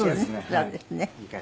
そうですね。